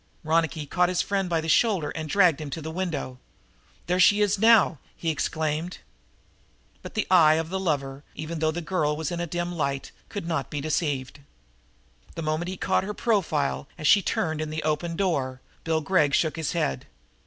Ronicky caught his friend by the shoulders and dragged him to the window. "There she is now!" he exclaimed. But the eye of the lover, even though the girl was in a dim light, could not he deceived. The moment he caught her profile, as she turned in opening the door, Bill Gregg shook his head.